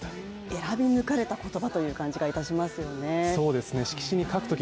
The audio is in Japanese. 選び抜かれた言葉という感じがいたしますよね